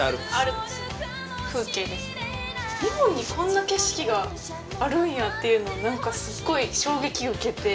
日本にこんな景色があるんやっていうのを何かすっごい衝撃受けて。